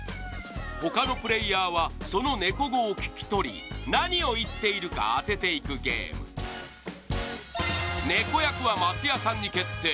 他のプレイヤーはそのネコ語を聞き取り何を言っているか当てていくゲームさんに決定